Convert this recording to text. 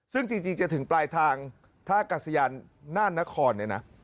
ซึ่งจริงจะถึงปลายทางท่ากัศยานน่านนครเนี่ยนะ